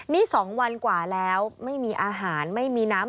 นี่๒วันกว่าแล้วไม่มีอาหารไม่มีน้ำ